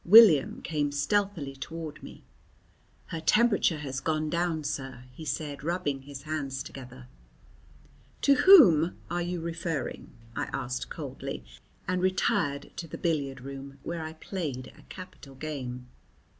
William came stealthily toward me. "Her temperature has gone down, sir," he said, rubbing his hands together. "To whom are you referring?" I asked coldly, and retired to the billiard room, where I played a capital game.